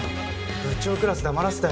部長クラス黙らせたよ。